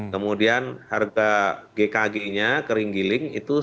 kemudian harga gkg nya kering giling itu rp lima